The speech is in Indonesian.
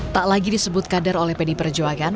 tak lagi disebut kader oleh pdi perjuangan